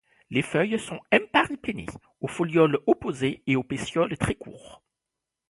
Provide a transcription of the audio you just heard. Les feuilles sont imparipennées, aux folioles opposés et au pétiole très court.